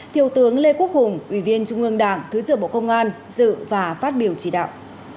thiếu tướng lê quốc hùng ủy viên trung ương đảng thứ trưởng bộ công an dự và phát biểu chỉ đạo